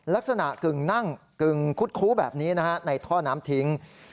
ลักษณะกึ่งนั่งกึ่งคุดคู้แบบนี้นะฮะในท่อน้ำทิ้ง